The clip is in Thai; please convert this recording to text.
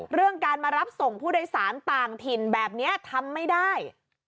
เรื่องการมารับส่งผู้โดยสารต่างถิ่นแบบนี้ทำไม่ได้